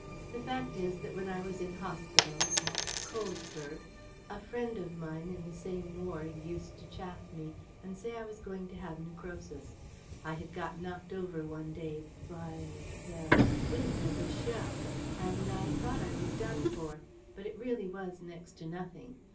The fact is that when I was in hospital at Colesberg, a friend of mine in the same ward used to chaff me and say I was going to have necrosis. I had got knocked over one day by the wind of a shell and thought I was done for, but it really was next to nothing.